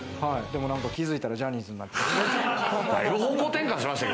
でも気づいたらジャニーズになってました。